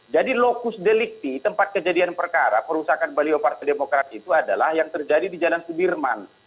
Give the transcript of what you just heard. jadi lokus delikti tempat kejadian perkara perusakan baliho partai demokrat itu adalah yang terjadi di jalan subirman